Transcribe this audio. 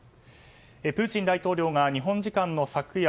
プーチン大統領が日本時間の昨夜